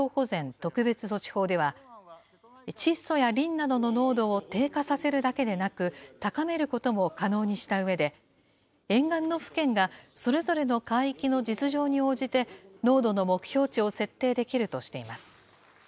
特別措置法では、窒素やリンなどの濃度を低下させるだけでなく、高めることも可能にしたうえで、沿岸の府県がそれぞれの海域の実情に応じて、濃度の目標値を設定できるとしています。